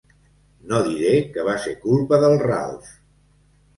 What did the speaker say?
No diré que va ser culpa del Ralf.